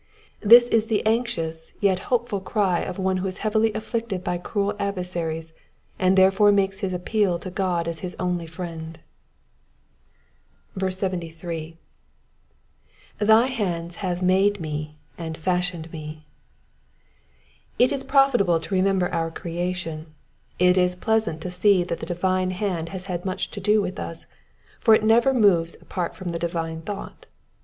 This is the anxious yet hopeful cry of one who is heavily afilicted by cruel adver saries, and therefore makes his appeal to God as his only friend. 73. ^^Thy hands hai>e made me and fashioned me.'^^ It is profitable to remember our creation, it is pleasant to see that the divine hand has had much to do with us, for it never moves apart from the divine thought.